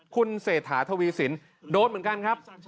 คุณเศรษฐาทวีสินโดนเหมือนกันครับ